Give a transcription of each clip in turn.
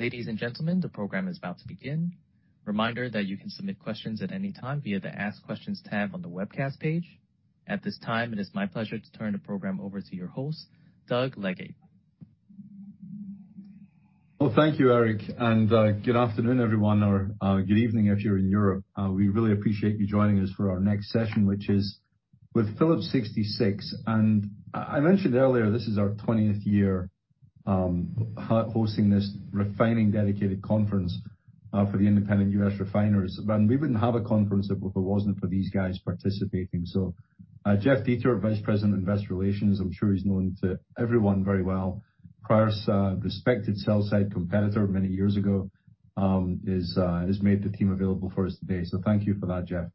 Ladies and gentlemen, the program is about to begin. Reminder that you can submit questions at any time via the Ask Questions tab on the webcast page. At this time, it is my pleasure to turn the program over to your host, Doug Leggate. Well, thank you, Eric, good afternoon, everyone, or good evening if you're in Europe. We really appreciate you joining us for our next session, which is with Phillips 66. I mentioned earlier, this is our 20th year hosting this refining dedicated conference for the independent US refiners. We wouldn't have a conference if it wasn't for these guys participating. Jeff Dietert, Vice President of Investor Relations, I'm sure he's known to everyone very well. Prior, respected sell side competitor many years ago, has made the team available for us today. Thank you for that, Jeff.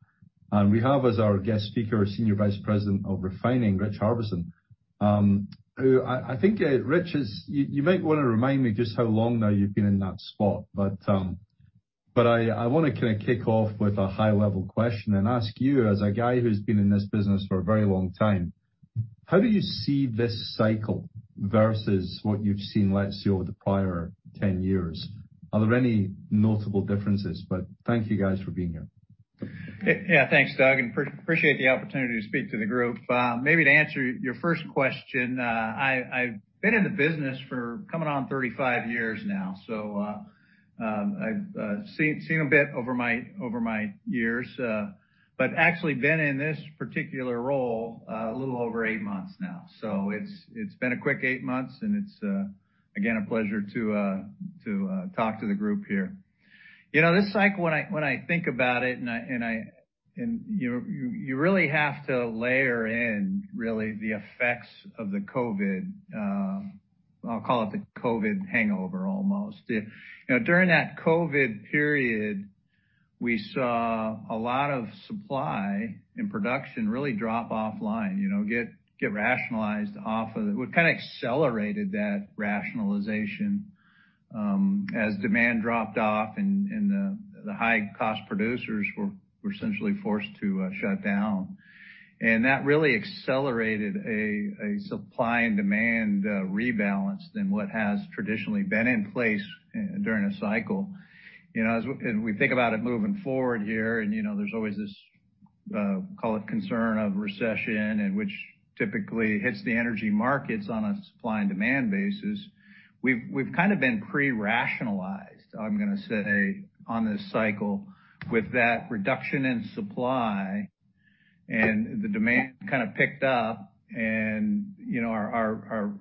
We have as our guest speaker, Senior Vice President of Refining, Rich Harbison, who I think, you might wanna remind me just how long now you've been in that spot. I wanna kinda kick off with a high level question and ask you as a guy who's been in this business for a very long time, how do you see this cycle versus what you've seen, let's say, over the prior 10 years? Are there any notable differences? Thank you guys for being here. Thanks, Doug, appreciate the opportunity to speak to the group. Maybe to answer your first question, I've been in the business for coming on 35 years now. I've seen a bit over my years, but actually been in this particular role a little over eight months now. It's been a quick eight months, and it's again a pleasure to talk to the group here. You know, this cycle when I think about it, and you really have to layer in really the effects of the COVID, I'll call it the COVID hangover, almost. You know, during that COVID period, we saw a lot of supply and production really drop offline, you know, get rationalized off of... What kinda accelerated that rationalization, as demand dropped off and the high cost producers were essentially forced to shut down. That really accelerated a supply and demand rebalance than what has traditionally been in place during a cycle. You know, and we think about it moving forward here, and, you know, there's always this call it concern of recession and which typically hits the energy markets on a supply and demand basis. We've kind of been pre-rationalized, I'm gonna say, on this cycle with that reduction in supply and the demand kind of picked up and, you know, our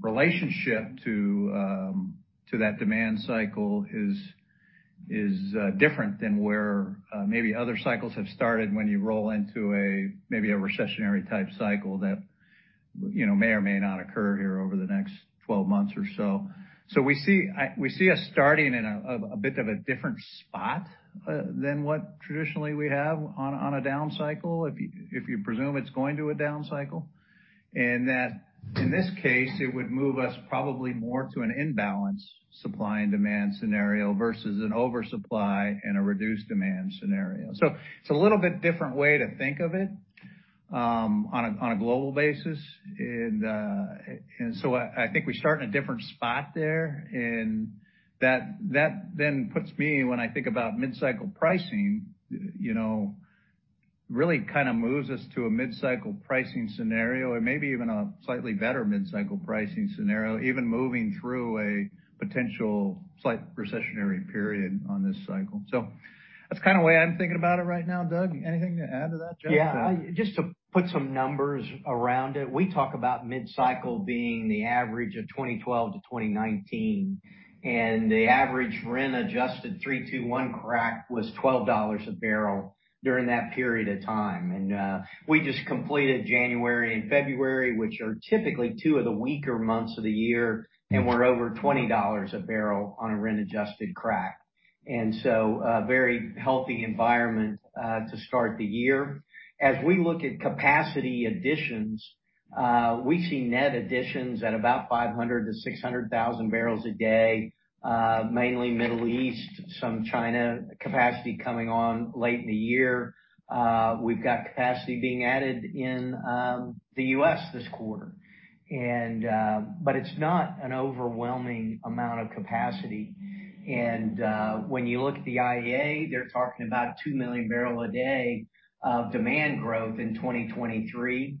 relationship to that demand cycle is different than where maybe other cycles have started when you roll into a maybe a recessionary type cycle that, you know, may or may not occur here over the next 12 months or so. We see, we see us starting in a bit of a different spot than what traditionally we have on a down cycle, if you presume it's going to a down cycle. That in this case, it would move us probably more to an imbalance supply and demand scenario versus an oversupply and a reduced demand scenario. It's a little bit different way to think of it, on a, on a global basis. I think we start in a different spot there. That, that then puts me when I think about mid-cycle pricing, you know, really kind of moves us to a mid-cycle pricing scenario or maybe even a slightly better mid-cycle pricing scenario, even moving through a potential slight recessionary period on this cycle. That's kind of way I'm thinking about it right now, Doug. Anything to add to that, Jeff? Yeah. Just to put some numbers around it, we talk about mid-cycle being the average of 2012-2019, and the average RIN-adjusted three-two-one crack was $12 a barrel during that period of time. We just completed January and February, which are typically two of the weaker months of the year, and we're over $20 a barrel on a RIN-adjusted crack. A very healthy environment to start the year. As we look at capacity additions, we see net additions at about 500,000-600,000 barrels a day, mainly Middle East, some China capacity coming on late in the year. We've got capacity being added in the U.S. this quarter. It's not an overwhelming amount of capacity. When you look at the IEA, they're talking about two million barrel a day of demand growth in 2023.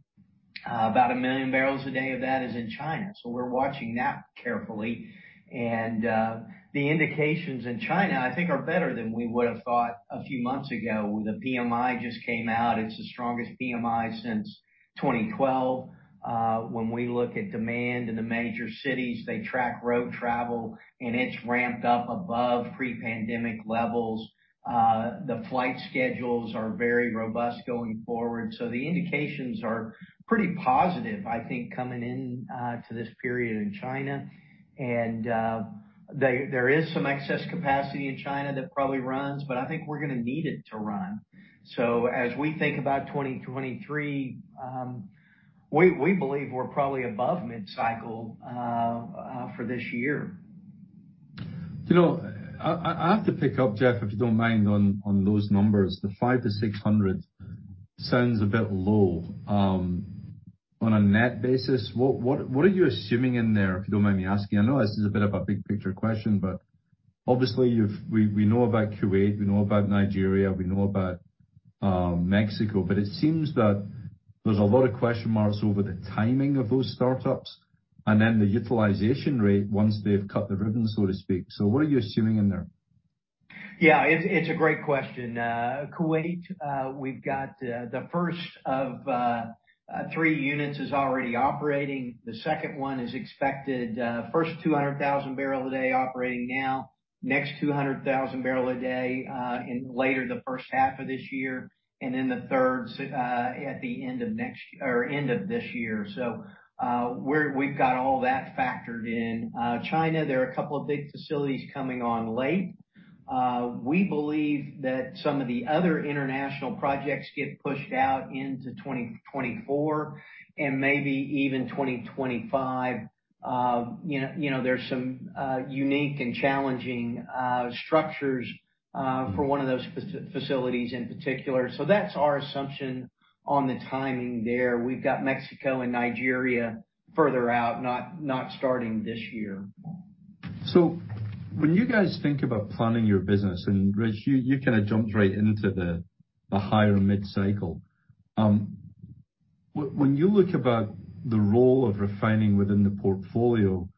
About one million barrels a day of that is in China. We're watching that carefully. The indications in China, I think, are better than we would have thought a few months ago. The PMI just came out. It's the strongest PMI since 2012. When we look at demand in the major cities, they track road travel, and it's ramped up above pre-pandemic levels. The flight schedules are very robust going forward. The indications are pretty positive, I think, coming in, to this period in China. There is some excess capacity in China that probably runs, but I think we're gonna need it to run. As we think about 2023, we believe we're probably above mid-cycle for this year. You know, I have to pick up, Jeff, if you don't mind, on those numbers. The 500-600 sounds a bit low on a net basis. What are you assuming in there, if you don't mind me asking? I know this is a bit of a big picture question, but obviously we know about Kuwait, we know about Nigeria, we know about Mexico. It seems that there's a lot of question marks over the timing of those startups and then the utilization rate once they've cut the ribbon, so to speak. What are you assuming in there? Yeah, it's a great question. Kuwait, we've got the first of three units is already operating. The second one is expected, first 200,000 barrel a day operating now. Next 200,000 barrel a day in later the first half of this year, and then the third at the end of this year. We've got all that factored in. China, there are a couple of big facilities coming on late. We believe that some of the other international projects get pushed out into 2024 and maybe even 2025. you know, there's some unique and challenging structures for one of those facilities in particular. That's our assumption on the timing there. We've got Mexico and Nigeria further out, not starting this year. When you guys think about planning your business, and Rich, you kind of jumped right into the higher mid-cycle. When you look about the role of refining within the portfolio,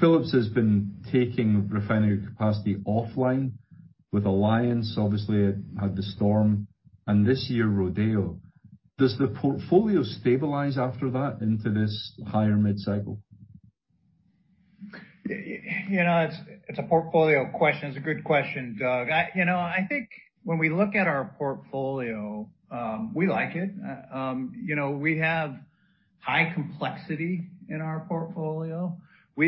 Phillips has been taking refinery capacity offline with Alliance, obviously it had the storm, and this year, Rodeo. Does the portfolio stabilize after that into this higher mid-cycle? You know, it's a portfolio question. It's a good question, Doug. You know, I think when we look at our portfolio, we like it. You know, we have high complexity in our portfolio.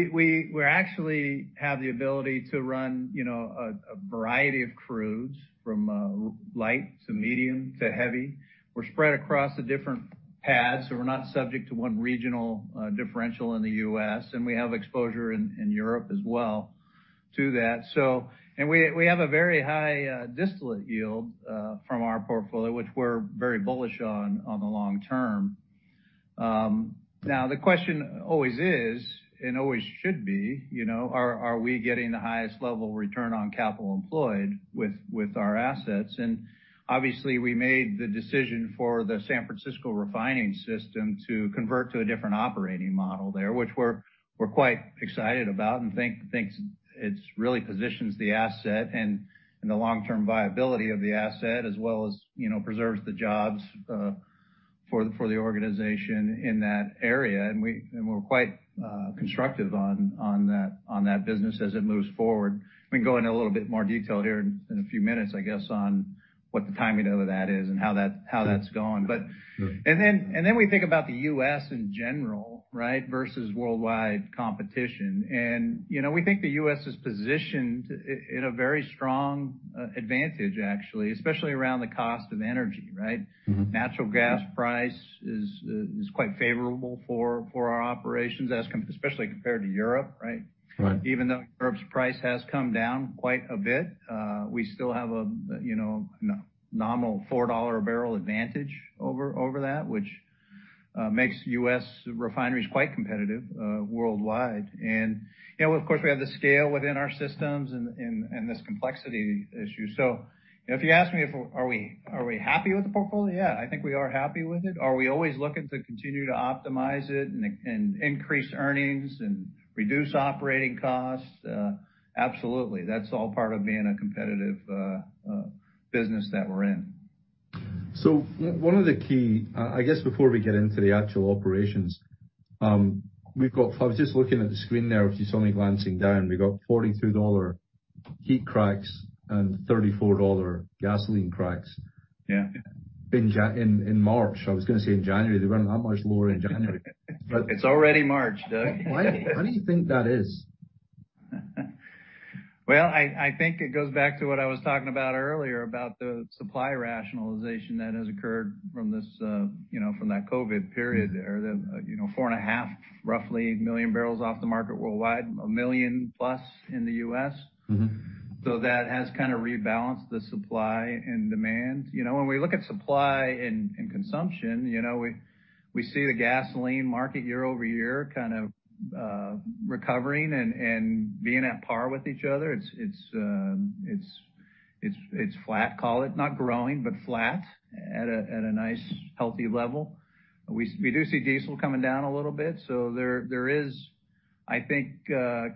We actually have the ability to run, you know, a variety of crudes from light to medium to heavy. We're spread across the different paths, so we're not subject to one regional differential in the U.S., and we have exposure in Europe as well to that. We have a very high distillate yield from our portfolio, which we're very bullish on the long term. Now the question always is, and always should be, you know, are we getting the highest level return on capital employed with our assets? obviously, we made the decision for the San Francisco Refinery to convert to a different operating model there, which we're quite excited about and think it's really positions the asset and the long-term viability of the asset, as well as, you know, preserves the jobs for the organization in that area. We're quite constructive on that business as it moves forward. We can go into a little bit more detail here in a few minutes, I guess, on what the timing of that is and how that's going. Sure. Then we think about the U.S. in general, right, versus worldwide competition. You know, we think the U.S. is positioned in a very strong advantage, actually, especially around the cost of energy, right? Mm-hmm. Natural gas price is quite favorable for our operations, especially compared to Europe, right? Right. Even though Europe's price has come down quite a bit, we still have a, you know, nominal $4 a barrel advantage over that, which makes U.S. refineries quite competitive worldwide. You know, of course, we have the scale within our systems and this complexity issue. You know, if you ask me if are we happy with the portfolio? Yeah, I think we are happy with it. Are we always looking to continue to optimize it and increase earnings and reduce operating costs? Absolutely. That's all part of being a competitive business that we're in. I guess before we get into the actual operations, I was just looking at the screen there, if you saw me glancing down. We got $42 heat cracks and $34 gasoline cracks. Yeah. In March. I was gonna say in January. They weren't that much lower in January. It's already March, Doug. Why do you think that is? Well, I think it goes back to what I was talking about earlier about the supply rationalization that has occurred from this, you know, from that COVID period there. The, you know, 4.5 million barrels off the market worldwide, one million plus in the U.S. Mm-hmm. That has kind of rebalanced the supply and demand. You know, when we look at supply and consumption, you know, we see the gasoline market year-over-year kind of recovering and being at par with each other. It's flat, call it. Not growing, but flat at a nice, healthy level. We do see diesel coming down a little bit, so there is, I think,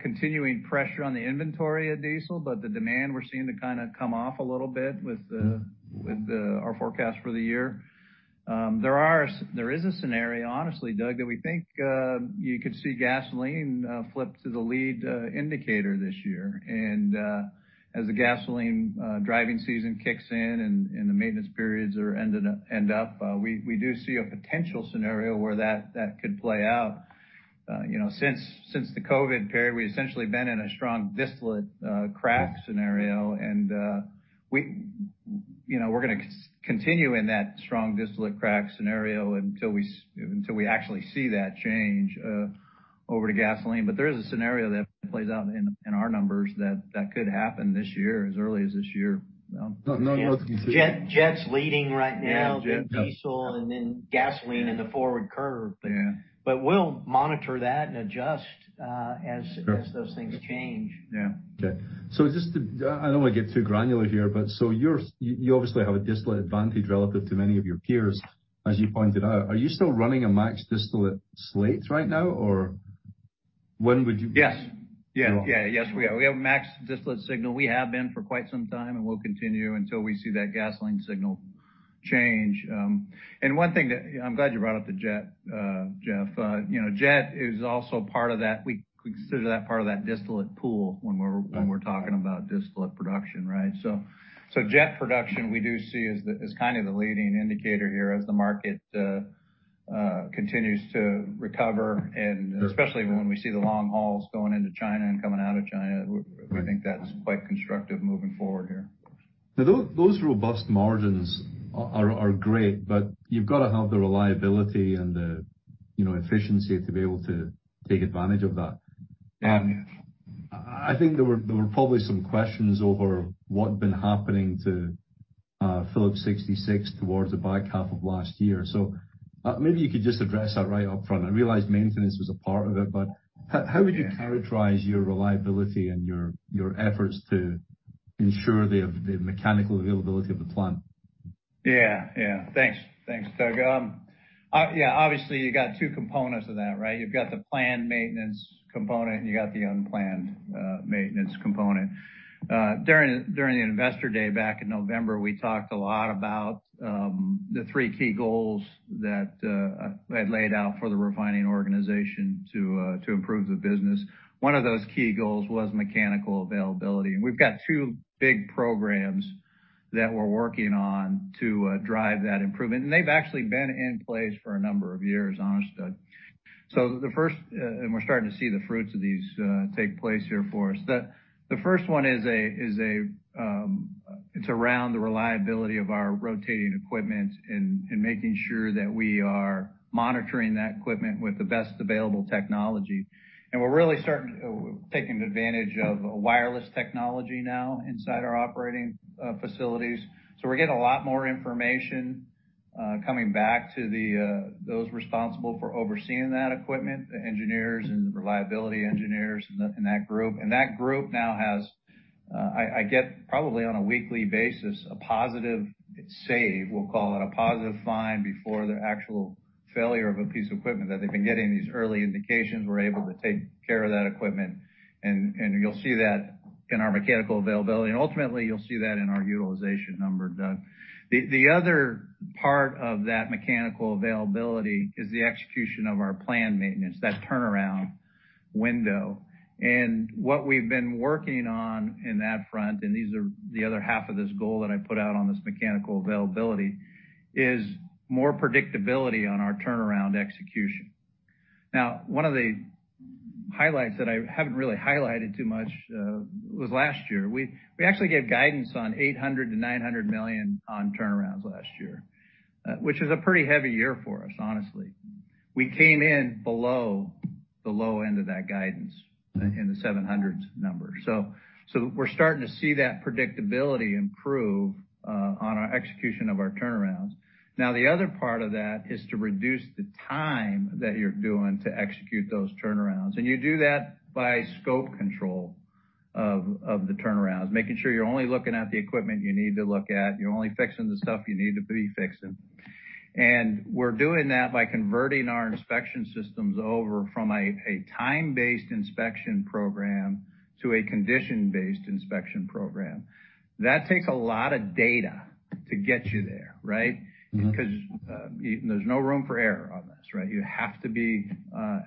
continuing pressure on the inventory of diesel, but the demand we're seeing to kind of come off a little bit with our forecast for the year. There is a scenario, honestly, Doug, that we think, you could see gasoline flip to the lead indicator this year. As the gasoline driving season kicks in and the maintenance periods end up, we do see a potential scenario where that could play out. You know, since the COVID period, we've essentially been in a strong distillate crack scenario. We, you know, we're gonna continue in that strong distillate crack scenario until we actually see that change. Over to gasoline. There is a scenario that plays out in our numbers that could happen this year, as early as this year. No. Jeff's leading right now. Yeah. Jeff. Diesel and then gasoline in the forward curve. Yeah. We'll monitor that and adjust. Sure. As those things change. Yeah. Okay. Just to... I don't wanna get too granular here, but so you obviously have a distillate advantage relative to many of your peers, as you pointed out. Are you still running a max distillate slate right now or when would you-? Yes. Yeah. Go on. Yes, we are. We have a max distillate signal. We have been for quite some time, and we'll continue until we see that gasoline signal change. One thing that... I'm glad you brought up the jet, Jeff. Jet is also part of that. We consider that part of that distillate pool when we're. Right. When we're talking about distillate production, right? Jet production, we do see as kind of the leading indicator here as the market continues to recover. Sure. Especially when we see the long hauls going into China and coming out of China. Right. We think that's quite constructive moving forward here. Those robust margins are great, but you've got to have the reliability and the, you know, efficiency to be able to take advantage of that. Yeah. I think there were probably some questions over what had been happening to Phillips 66 towards the back half of last year. Maybe you could just address that right up front. I realize maintenance was a part of it, but how would you characterize your reliability and your efforts to ensure the mechanical availability of the plant? Yeah. Yeah. Thanks. Thanks, Doug. Obviously you got two components of that, right? You've got the planned maintenance component, and you got the unplanned maintenance component. During the investor day back in November, we talked a lot about the three key goals that I had laid out for the refining organization to improve the business. One of those key goals was mechanical availability. We've got two big programs that we're working on to drive that improvement. They've actually been in place for a number of years, honestly. The first, and we're starting to see the fruits of these take place here for us. The first one is a, is a... It's around the reliability of our rotating equipment and making sure that we are monitoring that equipment with the best available technology. We're really taking advantage of wireless technology now inside our operating facilities. We're getting a lot more information coming back to the those responsible for overseeing that equipment, the engineers and the reliability engineers in that group. That group now has I get probably on a weekly basis, a positive save. We'll call it a positive find before the actual failure of a piece of equipment that they've been getting these early indications. We're able to take care of that equipment. You'll see that in our mechanical availability. Ultimately you'll see that in our utilization number, Doug. The other part of that mechanical availability is the execution of our planned maintenance, that turnaround window. What we've been working on in that front, and these are the other half of this goal that I put out on this mechanical availability, is more predictability on our turnaround execution. One of the highlights that I haven't really highlighted too much was last year. We actually gave guidance on $800 million-$900 million on turnarounds last year, which is a pretty heavy year for us, honestly. We came in below the low end of that guidance in the 700s number. We're starting to see that predictability improve on our execution of our turnarounds. The other part of that is to reduce the time that you're doing to execute those turnarounds. You do that by scope control of the turnarounds, making sure you're only looking at the equipment you need to look at. You're only fixing the stuff you need to be fixing. We're doing that by converting our inspection systems over from a time-based inspection program to a condition-based inspection program. That takes a lot of data to get you there, right? Mm-hmm. There's no room for error on this, right? You have to be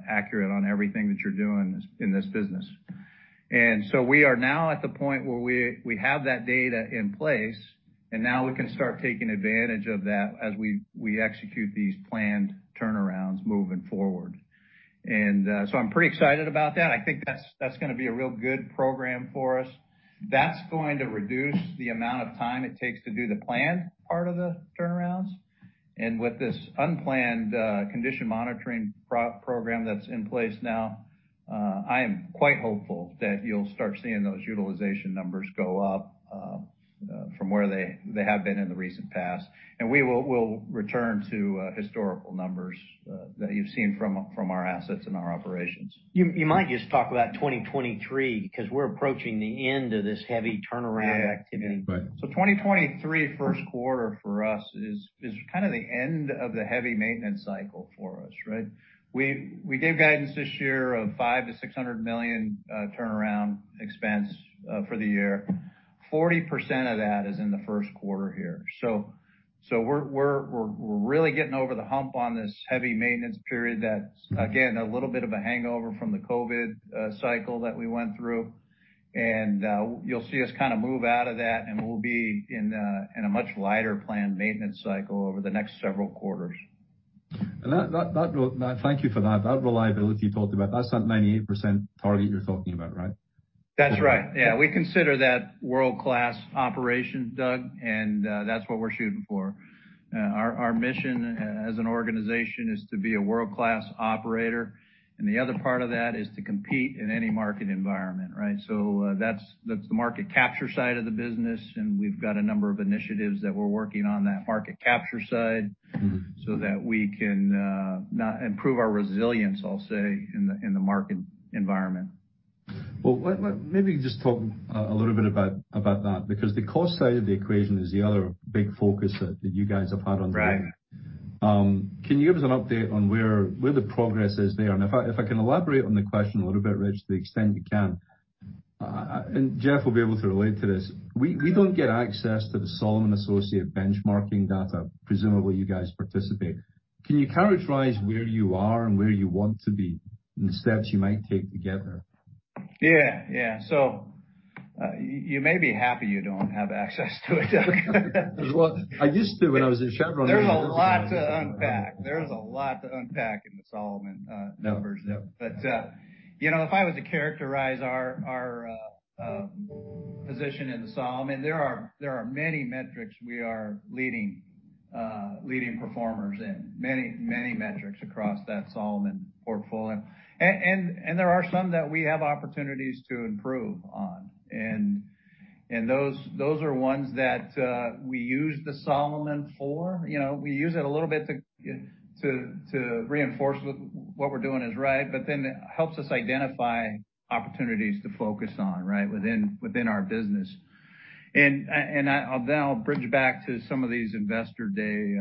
accurate on everything that you're doing in this, in this business. We are now at the point where we have that data in place, and now we can start taking advantage of that as we execute these planned turnarounds moving forward. I'm pretty excited about that. I think that's gonna be a real good program for us. That's going to reduce the amount of time it takes to do the planned part of the turnarounds. With this unplanned condition monitoring program that's in place now, I am quite hopeful that you'll start seeing those utilization numbers go up from where they have been in the recent past. We will, we'll return to historical numbers that you've seen from our assets and our operations. You might just talk about 2023 because we're approaching the end of this heavy turnaround activity. Yeah. Right. 2023 first quarter for us is kind of the end of the heavy maintenance cycle for us, right? We gave guidance this year of $500 million-$600 million turnaround expense for the year. 40% of that is in the first quarter here. We're really getting over the hump on this heavy maintenance period. That's again, a little bit of a hangover from the COVID cycle that we went through. You'll see us kind of move out of that, and we'll be in a much lighter planned maintenance cycle over the next several quarters. Thank you for that. That reliability you talked about, that's that 98% target you're talking about, right? That's right. Yeah, we consider that world-class operation, Doug, and that's what we're shooting for. Our mission as an organization is to be a world-class operator, and the other part of that is to compete in any market environment, right? That's the market capture side of the business, and we've got a number of initiatives that we're working on that market capture side. Mm-hmm. That we can improve our resilience, I'll say, in the, in the market environment. Well, let maybe just talk a little bit about that because the cost side of the equation is the other big focus that you guys have had on. Right. Can you give us an update on where the progress is there? If I can elaborate on the question a little bit, Rich, to the extent you can, and Jeff will be able to relate to this. We don't get access to the Solomon Associates benchmarking data. Presumably, you guys participate. Can you characterize where you are and where you want to be and the steps you might take to get there? Yeah. Yeah. You may be happy you don't have access to it, Doug. Well, I used to when I was in Chevron. There's a lot to unpack. There's a lot to unpack in the Solomon numbers. Yep. You know, if I was to characterize our position in the Solomon, there are many metrics we are leading performers in. Many, many metrics across that Solomon portfolio. There are some that we have opportunities to improve on. Those are ones that we use the Solomon for. You know, we use it a little bit to reinforce what we're doing is right, but then it helps us identify opportunities to focus on, right, within our business. Then I'll bridge back to some of these investor day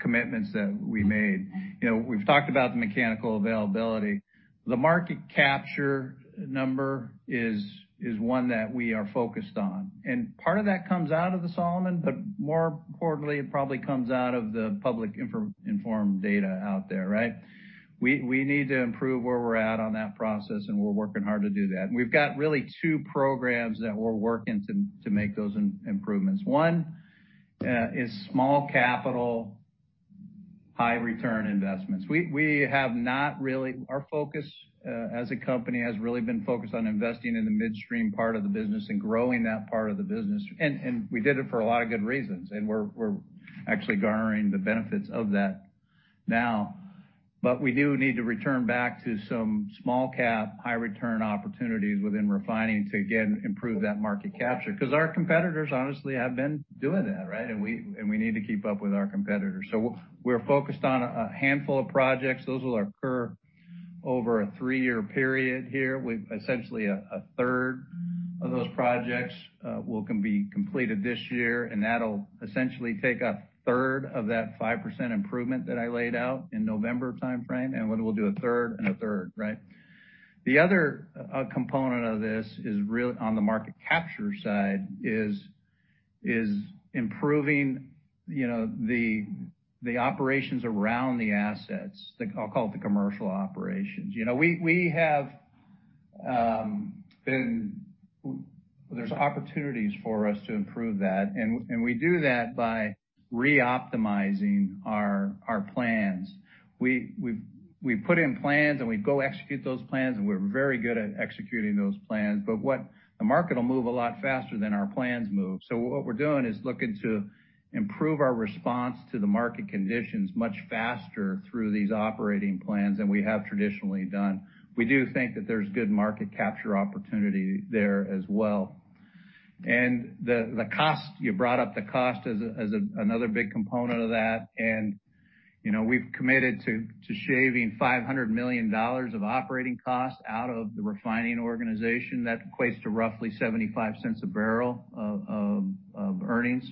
commitments that we made. You know, we've talked about the mechanical availability. The market capture number is one that we are focused on. Part of that comes out of the Solomon, but more importantly, it probably comes out of the public info-informed data out there, right? We need to improve where we're at on that process, and we're working hard to do that. We've got really two programs that we're working to make those improvements. One is small capital, high return investments. We have not really our focus as a company has really been focused on investing in the midstream part of the business and growing that part of the business. We did it for a lot of good reasons, and we're actually garnering the benefits of that now. We do need to return back to some small cap, high return opportunities within refining to again improve that market capture. 'Cause our competitors, honestly, have been doing that, right? We need to keep up with our competitors. We're focused on a handful of projects. Those will occur over a three-year period here. Essentially a third of those projects will be completed this year, and that'll essentially take a third of that 5% improvement that I laid out in November timeframe. We'll do a third and a third, right? The other component of this on the market capture side is improving, you know, the operations around the assets. I'll call it the commercial operations. You know, there's opportunities for us to improve that, and we do that by reoptimizing our plans. We put in plans, and we go execute those plans, and we're very good at executing those plans. The market will move a lot faster than our plans move. What we're doing is looking to improve our response to the market conditions much faster through these operating plans than we have traditionally done. We do think that there's good market capture opportunity there as well. The cost, you brought up the cost as another big component of that. You know, we've committed to shaving $500 million of operating costs out of the refining organization. That equates to roughly $0.75 a barrel of earnings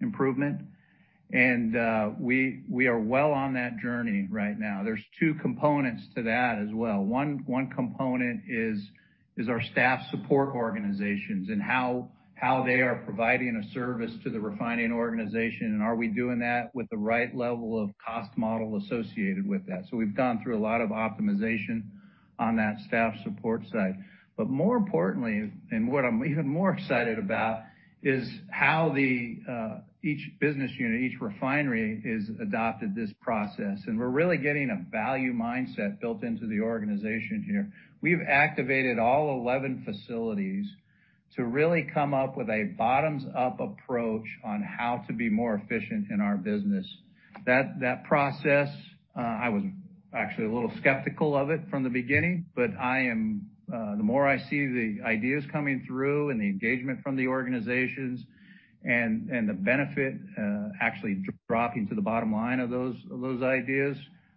improvement. We are well on that journey right now. There's two components to that as well. One component is our staff support organizations and how they are providing a service to the refining organization and are we doing that with the right level of cost model associated with that. We've gone through a lot of optimization on that staff support side. More importantly, and what I'm even more excited about, is how each business unit, each refinery has adopted this process. We're really getting a value mindset built into the organization here. We've activated all 11 facilities to really come up with a bottoms-up approach on how to be more efficient in our business. That process, I was actually a little skeptical of it from the beginning, but I am, the more I see the ideas coming through and the engagement from the organizations and the benefit, actually dropping to the bottom line of those ideas,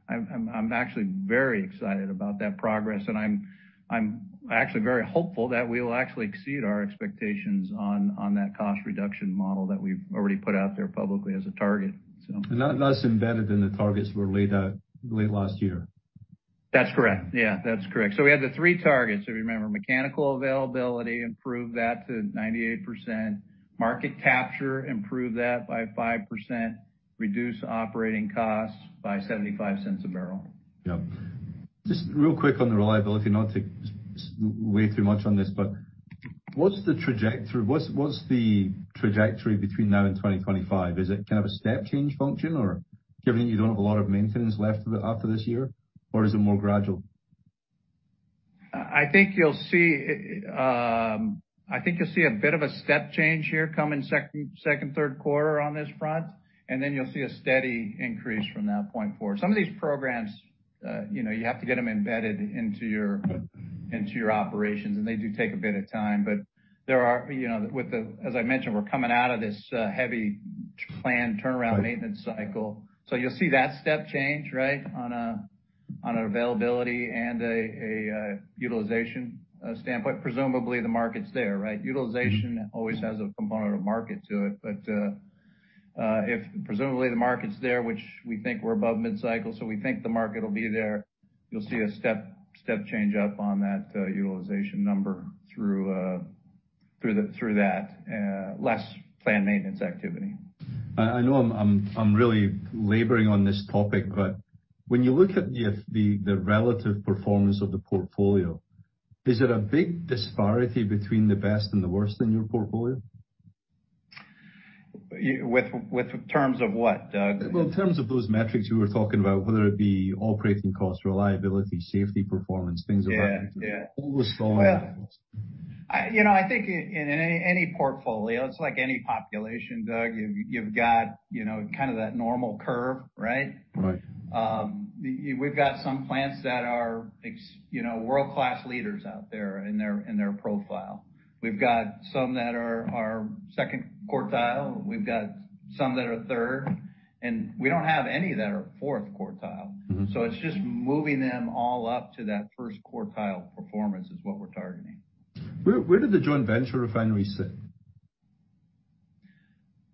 I'm actually very excited about that progress. I'm actually very hopeful that we will actually exceed our expectations on that cost reduction model that we've already put out there publicly as a target. That's embedded in the targets that were laid out late last year. That's correct. Yeah, that's correct. We had the three targets, if you remember. Mechanical availability, improve that to 98%. Market capture, improve that by 5%. Reduce operating costs by $0.75 a barrel. Yep. Just real quick on the reliability, not to weigh too much on this. What's the trajectory between now and 2025? Is it kind of a step change function or given that you don't have a lot of maintenance left after this year, or is it more gradual? I think you'll see a bit of a step change here come in second, third quarter on this front, and then you'll see a steady increase from that point forward. Some of these programs, you know, you have to get them embedded into your operations, and they do take a bit of time. There are, you know, as I mentioned, we're coming out of this heavy planned turnaround maintenance cycle. You'll see that step change, right? On an availability and a utilization standpoint. Presumably, the market's there, right? Utilization always has a component of market to it. If presumably the market's there, which we think we're above mid-cycle, so we think the market will be there. You'll see a step change up on that utilization number through that less planned maintenance activity. I know I'm really laboring on this topic, but when you look at the relative performance of the portfolio, is it a big disparity between the best and the worst in your portfolio? With terms of what, Doug? Well, in terms of those metrics you were talking about, whether it be operating costs, reliability, safety, performance, things of that nature. Yeah. Yeah. All those factors. Well, I, you know, I think in any portfolio, it's like any population, Doug. You've got, you know, kind of that normal curve, right? Right. We've got some plants that are you know, world-class leaders out there in their profile. We've got some that are second quartile. We've got some that are third. We don't have any that are fourth quartile. Mm-hmm. It's just moving them all up to that first quartile performance is what we're targeting. Where did the joint venture refinery sit?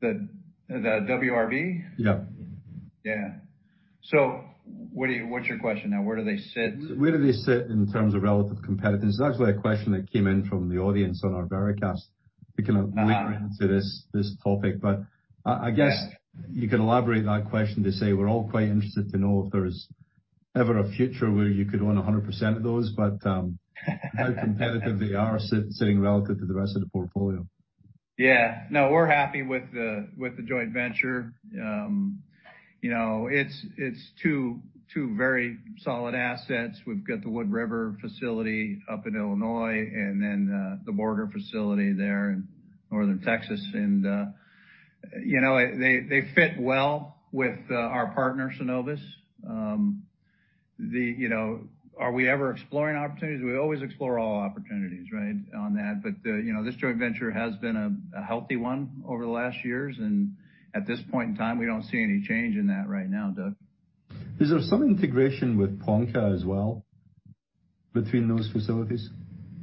The WRB? Yeah. Yeah. What's your question now? Where do they sit? Where do they sit in terms of relative competitiveness? It's actually a question that came in from the audience on our Veracast. We can link into this topic, I guess you can elaborate that question to say we're all quite interested to know if there is ever a future where you could own 100% of those. How competitive they are sitting relative to the rest of the portfolio. Yeah. No, we're happy with the, with the joint venture. You know, it's two very solid assets. We've got the Wood River facility up in Illinois and then, the Borger facility there in northern Texas. You know, they fit well with our partner, Cenovus. You know, are we ever exploring opportunities? We always explore all opportunities right, on that. You know, this joint venture has been a healthy one over the last years, and at this point in time, we don't see any change in that right now, Doug. Is there some integration with Ponca as well between those facilities?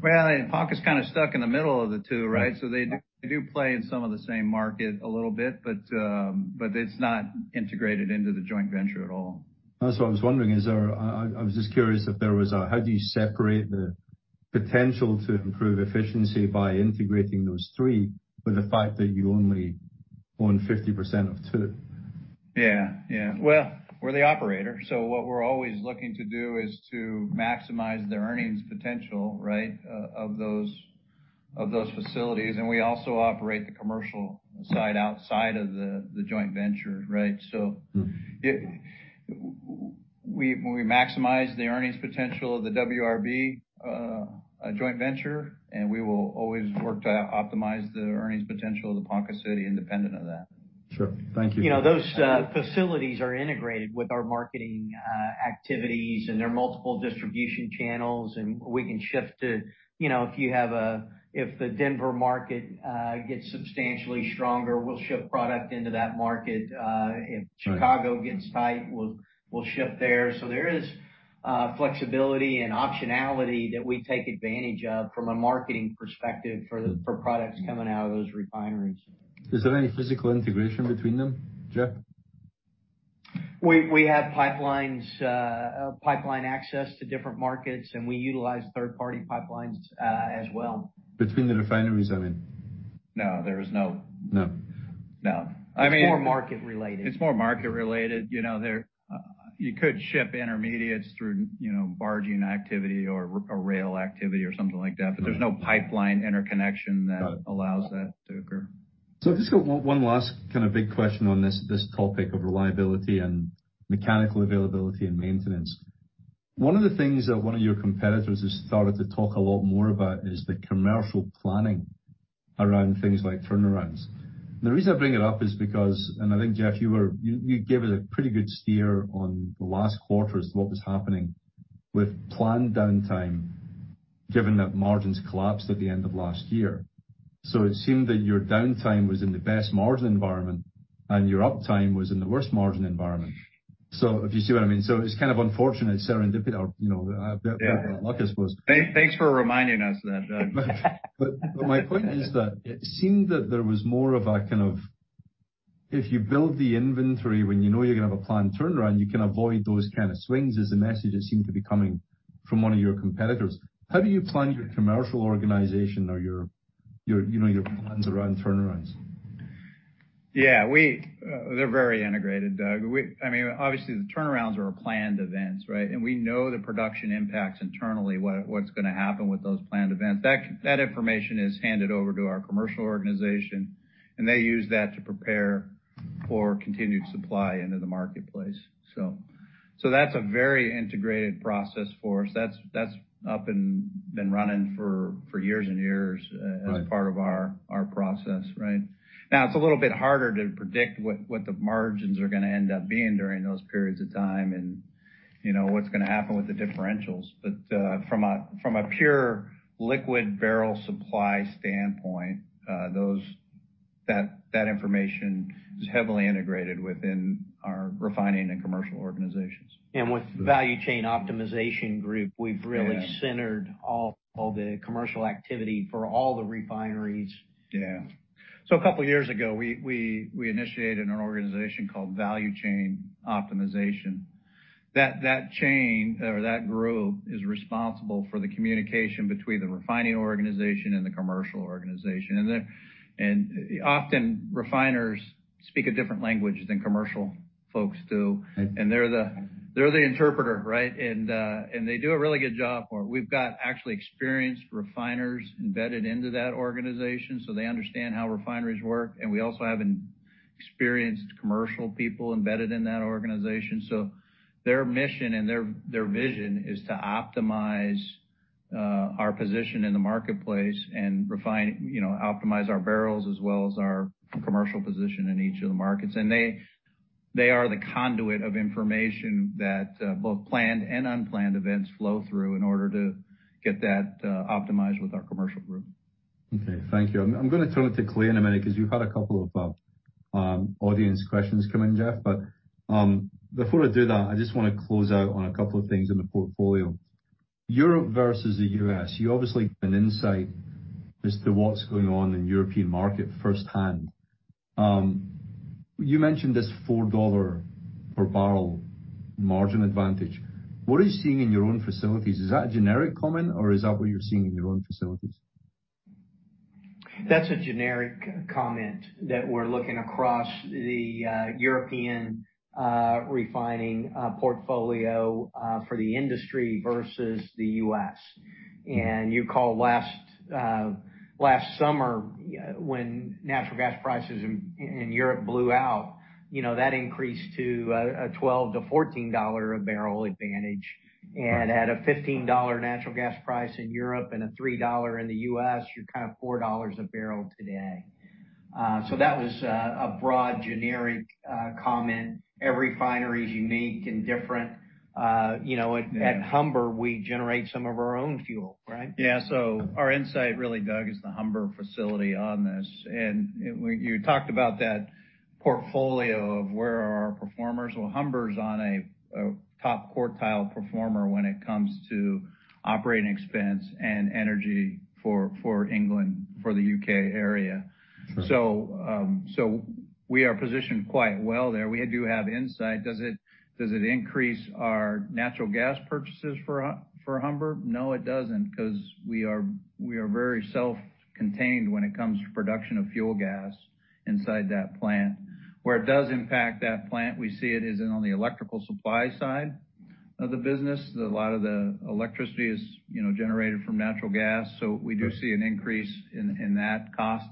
Ponca's kind of stuck in the middle of the two, right? They do play in some of the same market a little bit, but it's not integrated into the joint venture at all. That's what I was wondering. How do you separate the potential to improve efficiency by integrating those three with the fact that you only own 50% of 2? Yeah. Yeah. Well, we're the operator, so what we're always looking to do is to maximize the earnings potential, right, of those facilities. We also operate the commercial side outside of the joint venture, right? Mm-hmm. When we maximize the earnings potential of the WRB, joint venture, and we will always work to optimize the earnings potential of the Ponca City independent of that. Sure. Thank you. You know, those facilities are integrated with our marketing activities, and there are multiple distribution channels, and we can shift to, you know, if you have if the Denver market gets substantially stronger, we'll ship product into that market. Right. If Chicago gets tight, we'll ship there. There is flexibility and optionality that we take advantage of from a marketing perspective for products coming out of those refineries. Is there any physical integration between them, Jeff? We have pipelines, pipeline access to different markets, and we utilize third-party pipelines, as well. Between the refineries, I mean. No, there is no. No. No. I mean. It's more market related. It's more market related. You know, you could ship intermediates through, you know, barging activity or rail activity or something like that. Right. There's no pipeline interconnection that allows that to occur. I've just got one last kind of big question on this topic of reliability and mechanical availability and maintenance. One of the things that one of your competitors has started to talk a lot more about is the commercial planning around things like turnarounds. The reason I bring it up is because, I think, Jeff, you gave us a pretty good steer on the last quarter as to what was happening with planned downtime, given that margins collapsed at the end of last year. It seemed that your downtime was in the best margin environment and your uptime was in the worst margin environment. If you see what I mean. It's kind of unfortunate serendipity or, you know, a bit of luck, I suppose. Thanks for reminding us that, Doug. My point is that it seemed that there was more of a kind of, if you build the inventory when you know you're gonna have a planned turnaround, you can avoid those kind of swings is the message that seemed to be coming from one of your competitors. How do you plan your commercial organization or your, you know, your plans around turnarounds? They're very integrated, Doug. I mean, obviously the turnarounds are planned events, right? We know the production impacts internally, what's gonna happen with those planned events. That information is handed over to our commercial organization, They use that to prepare for continued supply into the marketplace. That's a very integrated process for us. That's up and been running for years and years. Right. as part of our process, right? Now, it's a little bit harder to predict what the margins are gonna end up being during those periods of time, and, you know, what's gonna happen with the differentials. From a pure liquid barrel supply standpoint, that information is heavily integrated within our refining and commercial organizations. With Value Chain Optimization. Yeah. We've really centered all the commercial activity for all the refineries. Yeah. A couple years ago, we initiated an organization called Value Chain Optimization. That chain or that group is responsible for the communication between the refining organization and the commercial organization. Often refiners speak a different language than commercial folks do. Right. They're the interpreter, right? They do a really good job for it. We've got actually experienced refiners embedded into that organization, so they understand how refineries work. We also have experienced commercial people embedded in that organization. Their mission and their vision is to optimize our position in the marketplace and refine, you know, optimize our barrels as well as our commercial position in each of the markets. They are the conduit of information that both planned and unplanned events flow through in order to get that optimized with our commercial group. Okay. Thank you. I'm gonna turn it to Clay in a minute because you had a couple of audience questions come in, Jeff. Before I do that, I just wanna close out on a couple of things in the portfolio. Europe versus the US, you obviously have an insight as to what's going on in European market firsthand. You mentioned this $4 per barrel margin advantage. What are you seeing in your own facilities? Is that a generic comment, or is that what you're seeing in your own facilities? That's a generic comment that we're looking across the European refining portfolio for the industry versus the US. You call last last summer when natural gas prices in Europe blew out, you know, that increased to a $12-$14 a barrel advantage. Right. At a $15 natural gas price in Europe and a $3 in the U.S., you're kind of $4 a barrel today. That was a broad generic comment. Every refinery is unique and different. you know Yeah. At Humber, we generate some of our own fuel, right? Yeah. Our insight really, Doug, is the Humber facility on this. When you talked about that portfolio of where are our performers, well, Humber's on a top quartile performer when it comes to operating expense and energy for England, for the UK area. Sure. We are positioned quite well there. We do have insight. Does it increase our natural gas purchases for Humber? No, it doesn't, 'cause we are very self-contained when it comes to production of fuel gas inside that plant. Where it does impact that plant, we see it is in on the electrical supply side of the business. A lot of the electricity is, you know, generated from natural gas. We do. Right. see an increase in that cost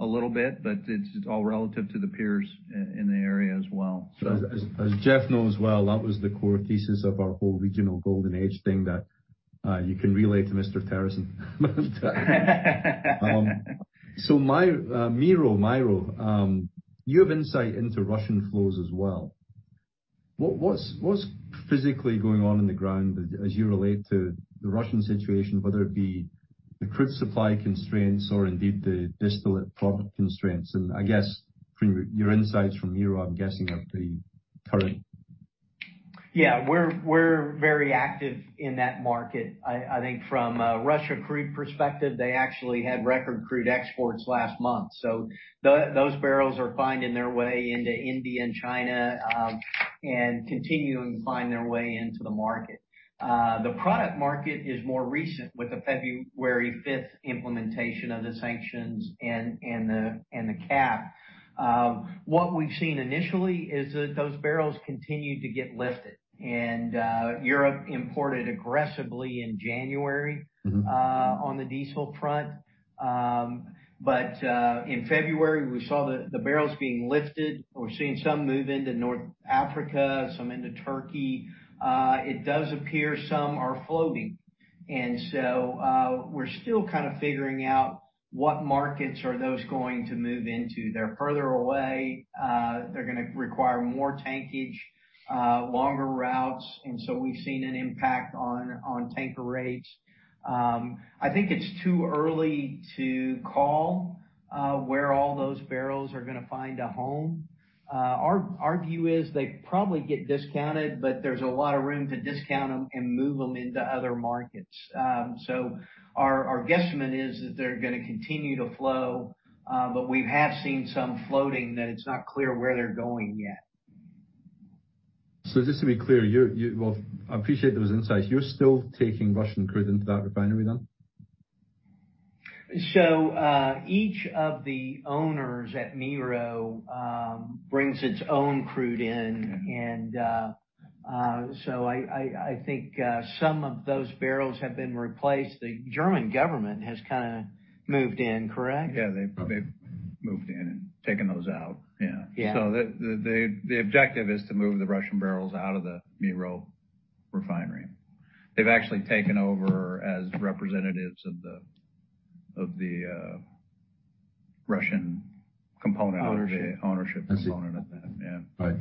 a little bit, but it's all relative to the peers in the area as well. As Jeff knows well, that was the core thesis of our whole regional golden age thing that you can relay to Mr. Terrason. Miro, you have insight into Russian flows as well. What's physically going on on the ground as you relate to the Russian situation, whether it be the crude supply constraints or indeed the distillate product constraints? I guess from your insights from Miro, I'm guessing of the current. We're very active in that market. I think from a Russia crude perspective, they actually had record crude exports last month. Those barrels are finding their way into India and China, and continuing to find their way into the market. The product market is more recent with the February 5th implementation of the sanctions and the cap. What we've seen initially is that those barrels continue to get lifted. Europe imported aggressively in January. Mm-hmm. On the diesel front. In February, we saw the barrels being lifted. We're seeing some move into North Africa, some into Turkey. It does appear some are floating. We're still kind of figuring out what markets are those going to move into. They're further away. They're gonna require more tankage, longer routes, and so we've seen an impact on tanker rates. I think it's too early to call where all those barrels are gonna find a home. Our view is they probably get discounted, but there's a lot of room to discount them and move them into other markets. So our guesstimate is that they're gonna continue to flow, but we have seen some floating that it's not clear where they're going yet. just to be clear, you well, I appreciate those insights. You're still taking Russian crude into that refinery then? Each of the owners at Miro brings its own crude in. Okay. I think some of those barrels have been replaced. The German government has kinda moved in, correct? Yeah. They've moved in and taken those out. Yeah. Yeah. The objective is to move the Russian barrels out of the Miro refinery. They've actually taken over as representatives of the Russian component. Ownership. Ownership component of that, yeah. Right.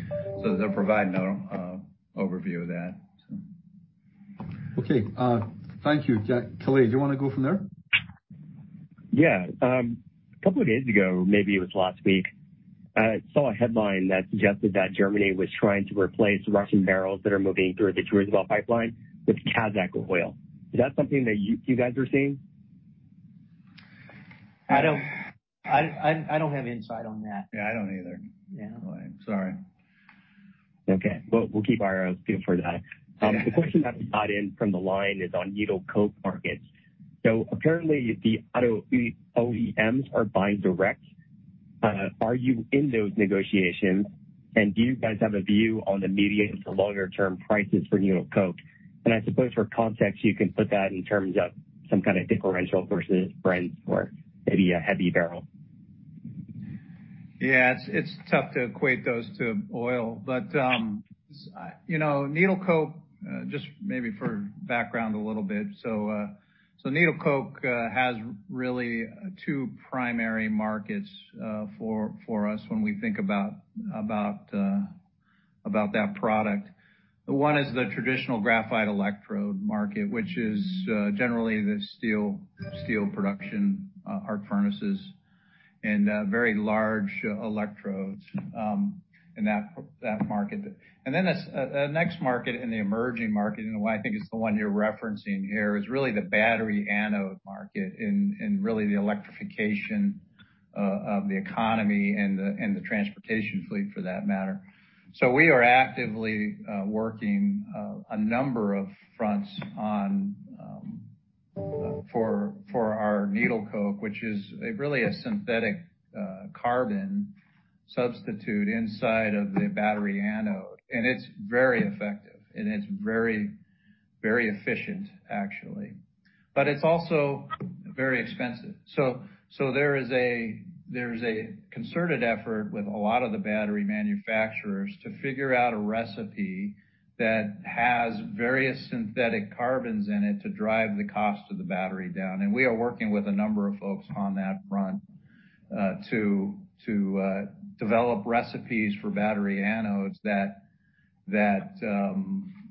They're providing a overview of that. Okay, thank you. Jeff, Clay do you wanna go from there? Yeah. A couple of days ago, maybe it was last week, I saw a headline that suggested that Germany was trying to replace Russian barrels that are moving through the Druzhba pipeline with Kazakh oil. Is that something that you guys are seeing? I don't, I don't have insight on that. Yeah, I don't either. Yeah. Sorry. Okay. We'll keep our ears peeled for that. The question that we got in from the line is on needle coke markets. Apparently the auto OEMs are buying direct. Are you in those negotiations? Do you guys have a view on the medium to longer term prices for needle coke? I suppose for context, you can put that in terms of some kind of differential versus Brent or maybe a heavy barrel. Yeah. It's tough to equate those to oil. You know, needle coke, just maybe for background a little bit. needle coke has really two primary markets for us when we think about that product. One is the traditional graphite electrode market, which is generally the steel production arc furnaces and very large electrodes in that market. Next market and the emerging market, and the one I think is the one you're referencing here, is really the battery anode market and really the electrification of the economy and the transportation fleet for that matter. We are actively working a number of fronts on for our needle coke, which is a really a synthetic carbon substitute inside of the battery anode. It's very effective, and it's very efficient, actually. It's also very expensive. There is a concerted effort with a lot of the battery manufacturers to figure out a recipe that has various synthetic carbons in it to drive the cost of the battery down. We are working with a number of folks on that front to develop recipes for battery anodes that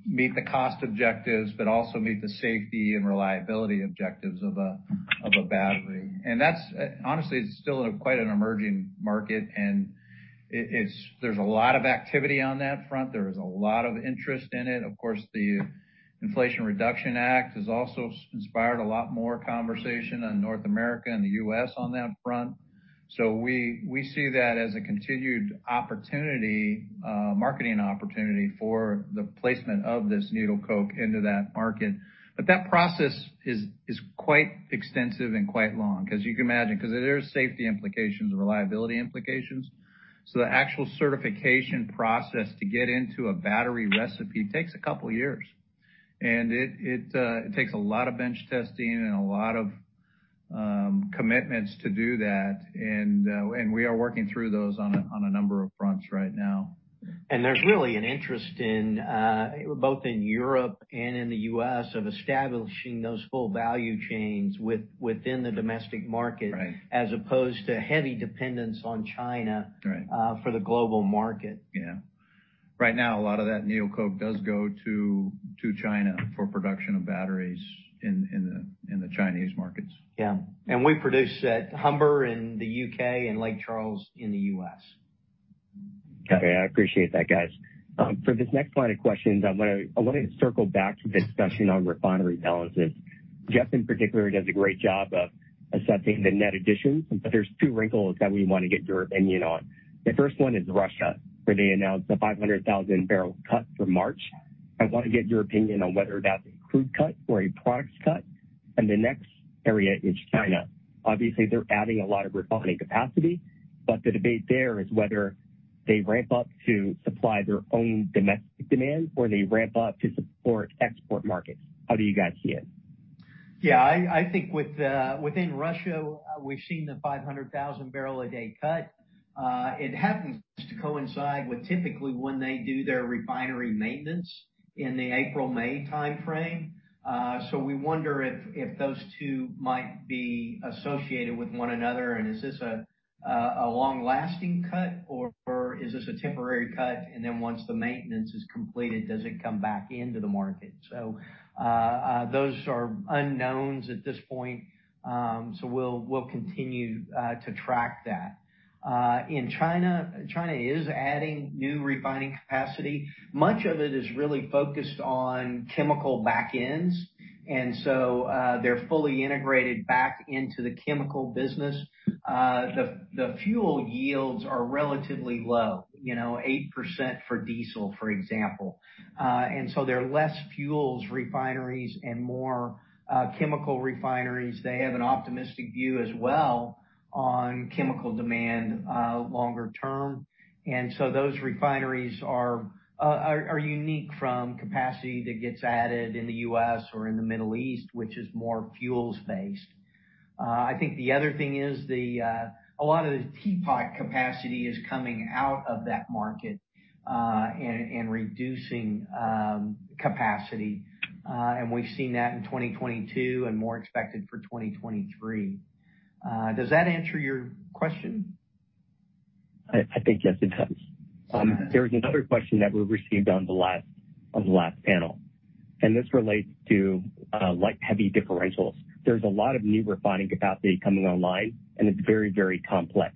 meet the cost objectives, but also meet the safety and reliability objectives of a battery. That's honestly, it's still quite an emerging market, and it's there's a lot of activity on that front. There is a lot of interest in it. Of course, the Inflation Reduction Act has also inspired a lot more conversation on North America and the U.S. on that front. We see that as a continued opportunity, marketing opportunity for the placement of this needle coke into that market. That process is quite extensive and quite long, as you can imagine, 'cause there is safety implications and reliability implications. The actual certification process to get into a battery recipe takes two years, and it takes a lot of bench testing and a lot of commitments to do that. We are working through those on a number of fronts right now. There's really an interest in, both in Europe and in the U.S., of establishing those full value chains within the domestic market. Right. As opposed to heavy dependence on China Right. For the global market. Right now, a lot of that needle coke does go to China for production of batteries in the, in the Chinese markets. Yeah. We produce at Humber in the U.K. and Lake Charles in the U.S. Okay. I appreciate that, guys. For this next line of questions, I wanna circle back to the discussion on refinery balances. Jeff in particular does a great job of assessing the net additions, but there's two wrinkles that we wanna get your opinion on. The first one is Russia, where they announced a 500,000 barrel cut for March. I wanna get your opinion on whether that's a crude cut or a products cut? The next area is China. Obviously, they're adding a lot of refining capacity, but the debate there is whether they ramp up to supply their own domestic demand or they ramp up to support export markets. How do you guys see it? I think with within Russia, we've seen the 500,000 barrel a day cut. It happens to coincide with typically when they do their refinery maintenance in the April-May timeframe. We wonder if those two might be associated with one another, and is this a long-lasting cut, or is this a temporary cut, and then once the maintenance is completed, does it come back into the market? Those are unknowns at this point. We'll continue to track that. In China is adding new refining capacity. Much of it is really focused on chemical back ends, and so they're fully integrated back into the chemical business. The fuel yields are relatively low, you know, 8% for diesel, for example. They're less fuels refineries and more chemical refineries. They have an optimistic view as well on chemical demand, longer term. Those refineries are unique from capacity that gets added in the U.S. or in the Middle East, which is more fuels based. I think the other thing is the a lot of the teapot capacity is coming out of that market, and reducing capacity. We've seen that in 2022 and more expected for 2023. Does that answer your question? I think yes, it does. All right. There is another question that we received on the last panel. This relates to light heavy differentials. There's a lot of new refining capacity coming online, and it's very, very complex.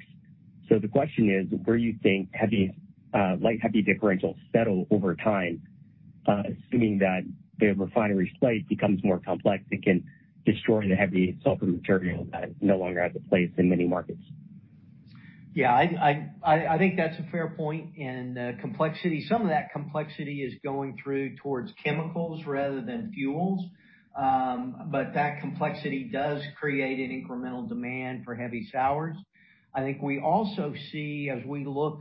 The question is: Where you think heavy, light heavy differentials settle over time, assuming that the refinery slate becomes more complex, it can destroy the heavy sulfur material that no longer has a place in many markets. Yeah, I think that's a fair point. Some of that complexity is going through towards chemicals rather than fuels. That complexity does create an incremental demand for heavy sours. I think we also see, as we look,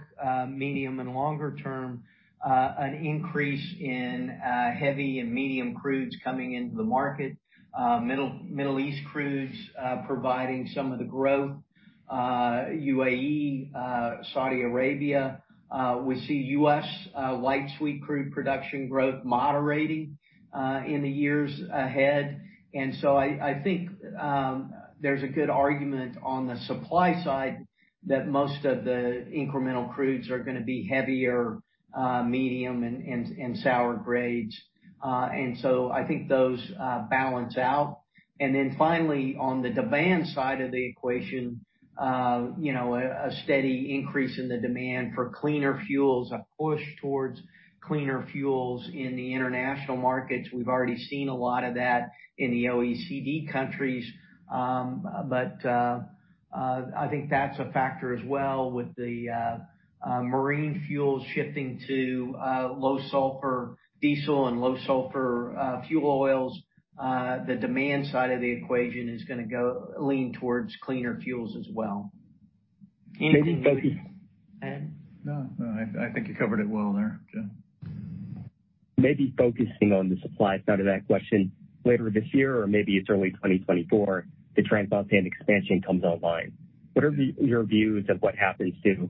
medium and longer term, an increase in heavy and medium crudes coming into the market. Middle East crudes, providing some of the growth, UAE, Saudi Arabia. We see US light sweet crude production growth moderating in the years ahead. I think there's a good argument on the supply side that most of the incremental crudes are gonna be heavier, medium and sour grades. I think those balance out. Finally, on the demand side of the equation, you know, a steady increase in the demand for cleaner fuels, a push towards cleaner fuels in the international markets. We've already seen a lot of that in the OECD countries. I think that's a factor as well with the marine fuels shifting to low sulfur diesel and low sulfur fuel oils. The demand side of the equation is gonna go lean towards cleaner fuels as well. Maybe focusing. And? No, no. I think you covered it well there, Jeff. Maybe focusing on the supply side of that question. Later this year or maybe it's early 2024, the Trans Mountain expansion comes online. What are your views of what happens to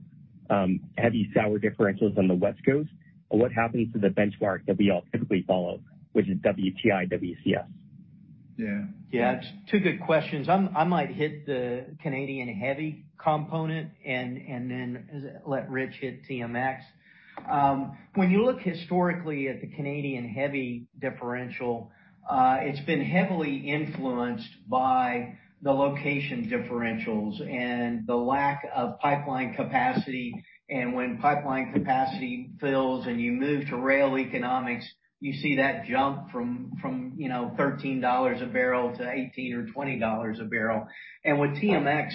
heavy sour differentials on the West Coast? What happens to the benchmark that we all typically follow, which is WTI WCS? Yeah. Yeah. Two good questions. I might hit the Canadian heavy component and then let Rich hit TMX. When you look historically at the Canadian heavy differential, it's been heavily influenced by the location differentials and the lack of pipeline capacity. When pipeline capacity fills and you move to rail economics, you see that jump from, you know, $13 a barrel to $18 or $20 a barrel. With TMX,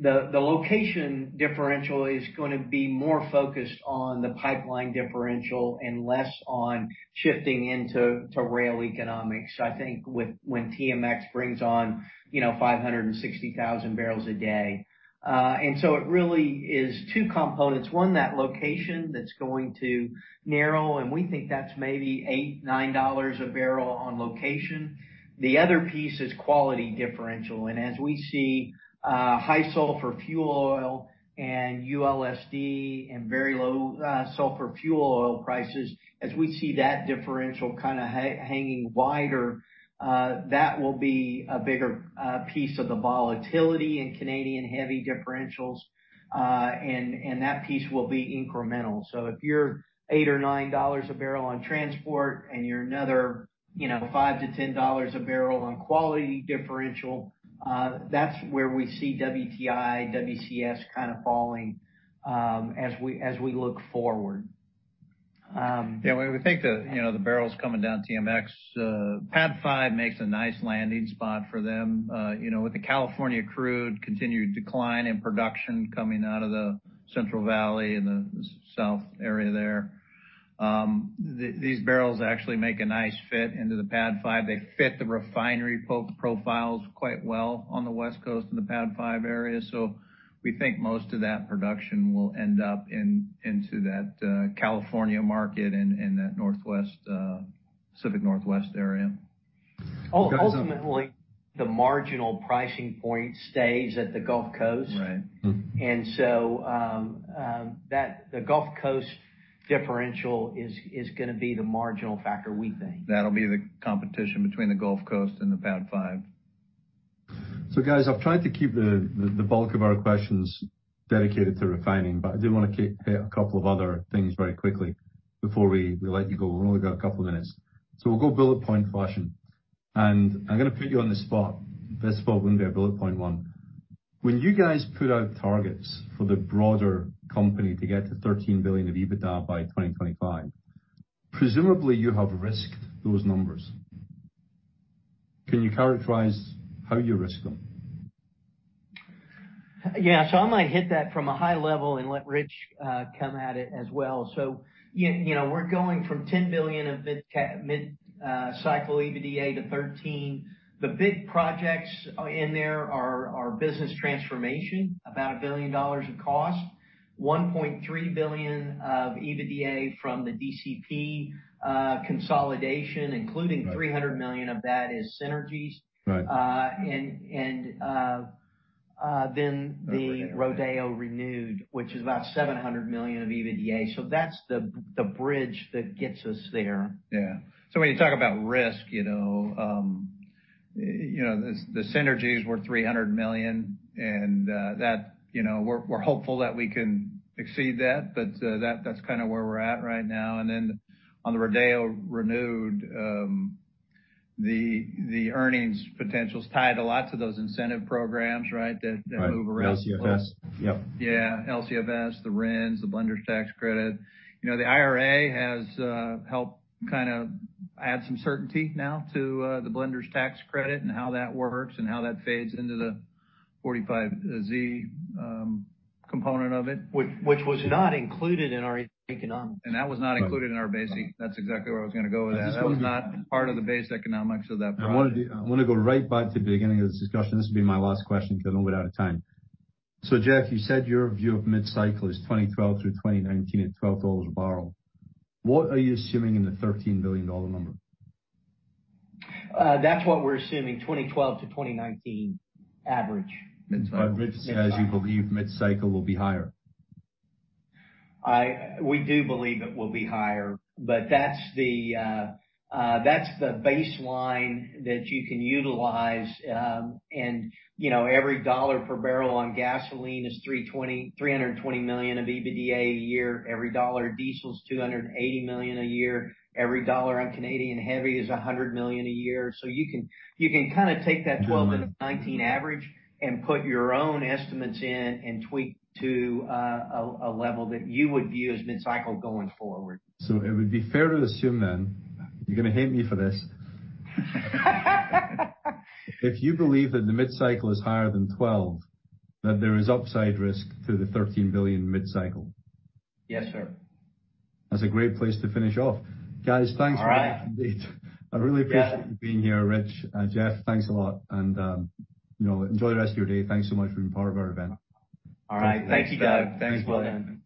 the location differential is gonna be more focused on the pipeline differential and less on shifting into rail economics, I think, when TMX brings on, you know, 560,000 barrels a day. So it really is two components. One, that location that's going to narrow, and we think that's maybe $8, $9 a barrel on location. The other piece is quality differential. As we see high sulfur fuel oil and ULSD and very low sulfur fuel oil prices, as we see that differential kind of hanging wider, that will be a bigger piece of the volatility in Canadian heavy differentials. And that piece will be incremental. If you're $8 or $9 a barrel on transport and you're another, you know, $5-$10 a barrel on quality differential, that's where we see WTI, WCS kind of falling as we look forward. We think the, you know, the barrels coming down TMX, PAD 5 makes a nice landing spot for them. You know, with the California crude continued decline in production coming out of the Central Valley and the south area there, these barrels actually make a nice fit into the PAD 5. They fit the refinery profiles quite well on the West Coast in the PAD 5 area. We think most of that production will end up into that, California market and, that Northwest, Pacific Northwest area. Ultimately, the marginal pricing point stays at the Gulf Coast. Right. The Gulf Coast differential is gonna be the marginal factor we think. That'll be the competition between the Gulf Coast and the PAD 5. Guys, I've tried to keep the bulk of our questions dedicated to refining, I do wanna hit a couple of other things very quickly before we let you go. We've only got a couple of minutes. We'll go bullet point fashion, and I'm gonna put you on the spot. This probably be a bullet point one. When you guys put out targets for the broader company to get to $13 billion of EBITDA by 2025, presumably you have risked those numbers. Can you characterize how you risk them? I might hit that from a high level and let Rich come at it as well. You know, we're going from $10 billion of mid-cycle EBITDA to $13 billion. The big projects in there are Our business transformation, about a billion dollars in cost. $1.3 billion of EBITDA from the DCP consolidation, including $300 million of that is synergies. Right. Then the Rodeo Renewed, which is about $700 million of EBITDA. That's the bridge that gets us there. When you talk about risk, you know, you know, the synergies were $300 million and that, you know, we're hopeful that we can exceed that. That, that's kinda where we're at right now. Then on the Rodeo Renewed, the earnings potential's tied to lots of those incentive programs, right? That, that move around. LCFS. Yep. Yeah, LCFS, the RINs, the Blenders Tax Credit. You know, the IRA has helped kind of add some certainty now to the Blenders Tax Credit and how that works and how that fades into the 45Z component of it. Which was not included in our economics. That was not included in our basic. That's exactly where I was gonna go with that. That was not part of the base economics of that project. I wanna go right back to the beginning of this discussion. This will be my last question 'cause I know we're out of time. Jeff, you said your view of mid-cycle is 2012 through 2019 at $12 a barrel. What are you assuming in the $13 billion number? That's what we're assuming, 2012-2019 average mid-cycle. Rich, as you believe mid-cycle will be higher. We do believe it will be higher, but that's the baseline that you can utilize, and, you know, every $1 per barrel on gasoline is $320 million of EBITDA a year. Every $1 of diesel is $280 million a year. Every $1 on Canadian heavy is $100 million a year. You can, you can kinda take that 12 into 19 average and put your own estimates in and tweak to a level that you would view as mid-cycle going forward. It would be fair to assume then, you're gonna hate me for this. If you believe that the mid-cycle is higher than 12, that there is upside risk to the $13 billion mid-cycle. Yes, sir. That's a great place to finish off. Guys, thanks very much indeed. All right. I really appreciate you being here, Rich. Jeff, thanks a lot. You know, enjoy the rest of your day. Thanks so much for being part of our event. All right. Thank you, guys. Thanks, for the end.